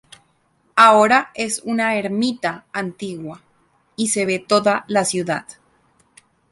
Ahora es una ermita antigua, y se ve toda la ciudad.